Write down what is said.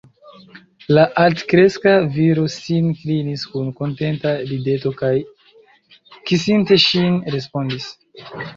La altkreska viro sin klinis kun kontenta rideto kaj, kisinte ŝin, respondis: